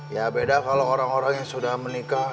ya beda kalau orang orang yang sudah menikah